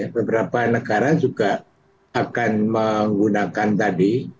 beberapa negara juga akan menggunakan tadi